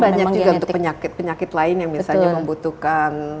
kan banyak juga untuk penyakit lain yang misalnya membutuhkan